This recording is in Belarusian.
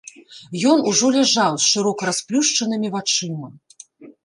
Ён ужо ляжаў з шырока расплюшчанымі вачыма.